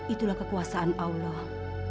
itulah kekuasaan allah